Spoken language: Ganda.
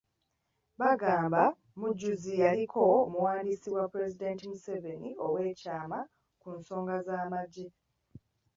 Bagamba Mujuzi yaliko omuwandiisi wa Pulezidenti Museveni oweekyama ku nsonga z’amagye.